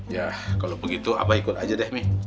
ya kalau begitu abah ikut aja deh mi